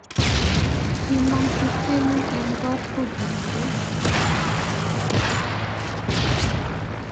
Kimong tupchenyi eng kot ko kirirei